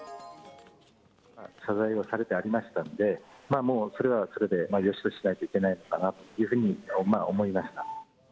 謝罪はされてありましたんで、もうそれはそれで、よしとしないといけないのかなというふうに思いました。